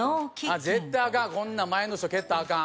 こんな前の人蹴ったらアカン